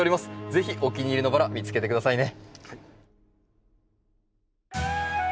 是非お気に入りのバラ見つけて下さいね。